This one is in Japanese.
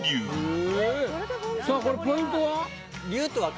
さあこれポイントは？